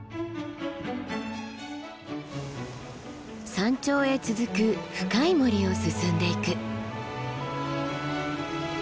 山頂へ続く深い森を進んでいく。